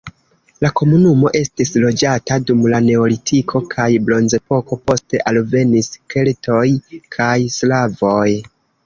La komunumo estis loĝata dum la neolitiko kaj bronzepoko, poste alvenis keltoj kaj slavoj.